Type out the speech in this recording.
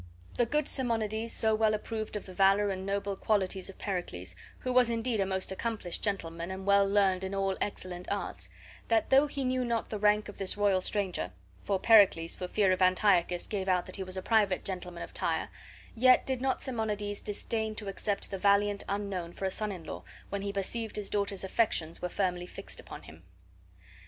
The good Simonides so well approved of the valor and noble qualities of Pericles, who was indeed a most accomplished gentleman and well learned in all excellent arts, that though he knew not the rank of this royal stranger (for Pericles for fear of Antiochus gave out that he was a private gentleman of Tyre), yet did not Simonides disdain to accept of the valiant unknown for a son in law, when he perceived his daughter's affections were firmly fixed upon him.